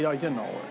おい。